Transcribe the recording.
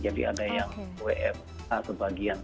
jadi ada yang wfh sebagian